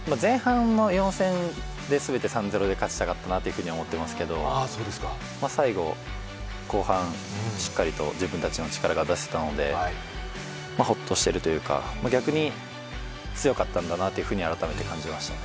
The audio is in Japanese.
いや、前半の４戦全て３−０で勝ちたかったなと思ってますけど、最後、後半、しっかりと自分たちの力が出せたのでホッとしてるというか逆に、強かったんだなと改めて感じましたね。